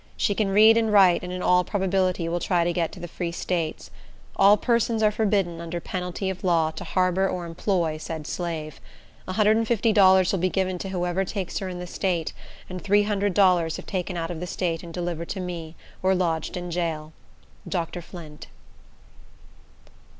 She can read and write, and in all probability will try to get to the Free States. All persons are forbidden, under penalty of law, to harbor or employ said slave. $150 will be given to whoever takes her in the state, and $300 if taken out of the state and delivered to me, or lodged in jail. Dr. Flint.